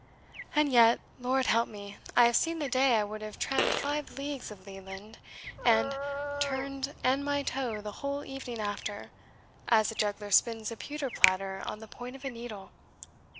And yet, Lord help me, I have seen the day I would have tramped five leagues of lea land, and turned an my toe the whole evening after, as a juggler spins a pewter platter on the point of a needle.